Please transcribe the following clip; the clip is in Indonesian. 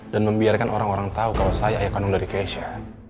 dan membiarkan orang orang tau kalau saya ayah kandung dari keisha